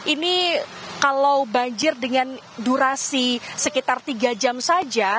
ini kalau banjir dengan durasi sekitar tiga jam saja